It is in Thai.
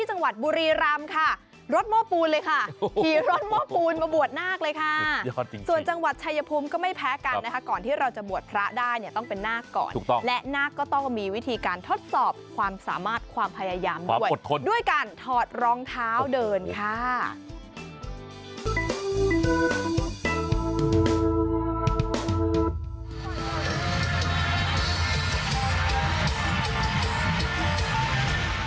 ยวจะพาคุณผู้ชมไปติดตามการบวชหน้าคุณผู้ชมไปติดตามการบวชหน้าคุณผู้ชมไปติดตามการบวชหน้าคุณผู้ชมไปติดตามการบวชหน้าคุณผู้ชมไปติดตามการบวชหน้าคุณผู้ชมไปติดตามการบวชหน้าคุณผู้ชมไปติดตามการบวชหน้าคุณผู้ชมไปติดตามการบวชหน้าคุณผู้ชมไปติดตามการบวชหน้าคุณผู้ชมไปติดตามการบวชหน้าคุณผู้ช